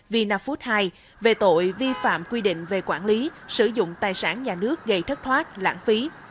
vinafood hai về tội vi phạm quy định về quản lý sử dụng tài sản nhà nước gây thất thoát lãng phí